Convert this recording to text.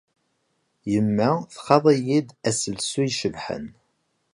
Yemma txaḍ-iyi-d aselsu icebḥen.